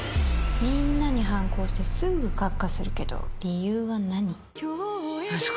みんなに反抗してすぐかっかするけど理由は何？